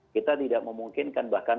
kita tidak memungkinkan bahkan